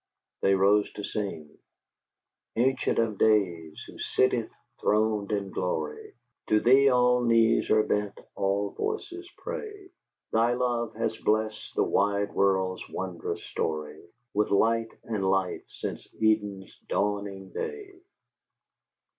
They rose to sing: "Ancient of days, Who sittest, throned in glory, To Thee all knees are bent, all voices pray; Thy love has blest the wide world's wondrous story With light and life since Eden's dawning day."